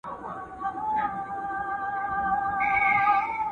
د غریب ملا په آذان څوک روژه هم نه ماتوي